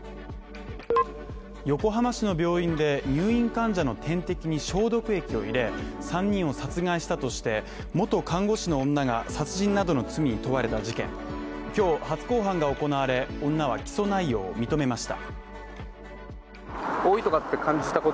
横浜市の病院で入院患者の点滴に消毒液を入れ、３人を殺害したとして元看護師の女が殺人などの罪に問われた事件、今日初公判が行われ、女は起訴内容を認めました。